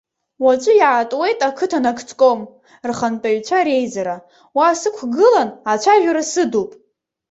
Уаҵәы иаатуеит ақыҭа нагӡком рхантәаҩцәа реизара, уа сықәгылан ацәажәара сыдуп.